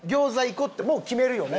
こうってもう決めるよね。